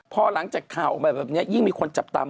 พอหลังจากข่าวออกมาแบบนี้ยิ่งมีคนจับตาม